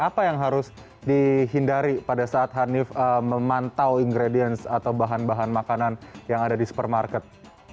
apa yang harus dihindari pada saat hanif memantau ingredients atau bahan bahan makanan yang ada di supermarket